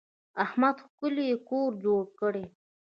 احمد ښکلی کور جوړ کړی.